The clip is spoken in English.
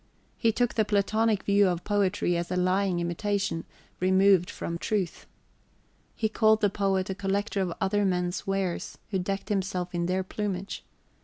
He took the Platonic view of poetry as a lying imitation, removed from truth. He called the poet a collector of other men's wares, who decked himself in their plumage.